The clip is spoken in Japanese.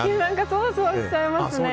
そわそわしちゃいますね。